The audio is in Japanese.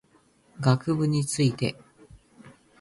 学部について